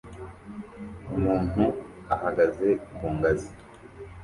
Umuntu ahagaze ku ngazi